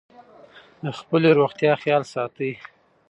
د خپلې روغتیا خیال ساتئ.